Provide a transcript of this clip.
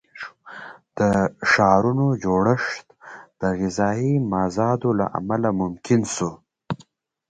د ښارونو جوړښت د غذایي مازاد له امله ممکن شو.